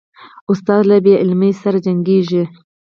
استاد له بې علمۍ سره جنګیږي.